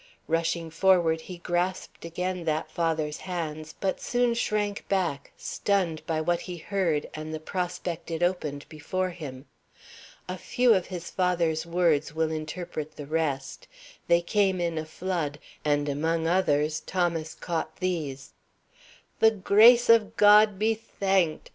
Rushing forward, he grasped again that father's hands, but soon shrank back, stunned by what he heard and the prospect it opened before him. A few of his father's words will interpret the rest. They came in a flood, and among others Thomas caught these: "The grace of God be thanked!